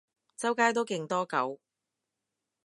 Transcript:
周街都勁多狗